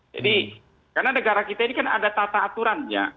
jadi karena negara kita ini kan ada tata aturan ya